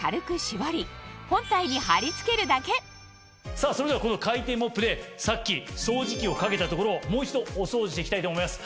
さぁそれではこの回転モップでさっき掃除機をかけた所をもう一度お掃除していきたいと思います。